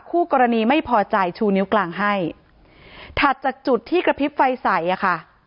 คู่กรณีไม่พอใจชูนิ้วกลางให้ถัดจากจุดที่กระพริบไฟใส่อ่ะค่ะ